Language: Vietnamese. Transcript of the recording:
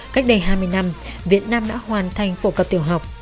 cách đây hai mươi năm việt nam đã hoàn thành phổ cập tiểu học